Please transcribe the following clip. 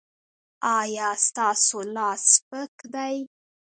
ایا ستاسو لاس سپک دی؟